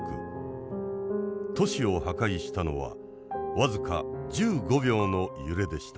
都市を破壊したのは僅か１５秒の揺れでした。